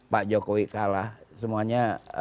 pak jokowi kalah semuanya